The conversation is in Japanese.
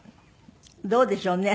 どうでしょうね